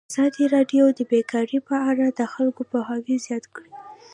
ازادي راډیو د بیکاري په اړه د خلکو پوهاوی زیات کړی.